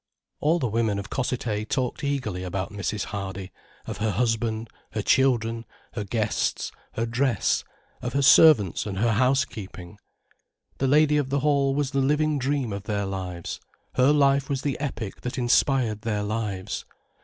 All the women of Cossethay talked eagerly about Mrs. Hardy, of her husband, her children, her guests, her dress, of her servants and her housekeeping. The lady of the Hall was the living dream of their lives, her life was the epic that inspired their lives.